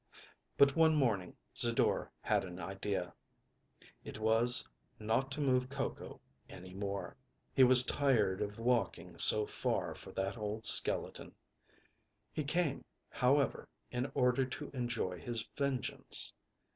But one morning Zidore had an idea: it was, not to move Coco any more. He was tired of walking so far for that old skeleton. He came, however, in order to enjoy his vengeance.